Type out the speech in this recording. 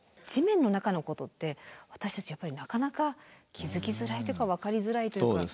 地面の中のことって私たちやっぱりなかなか気付きづらいというか分かりづらいというか。